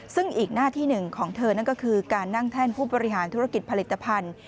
ซึ่งอีกหน้าที่หนึ่งของเธอนั่นก็คือการนั่งแท่นผู้บริหารธุรกิจผลิตภัณฑ์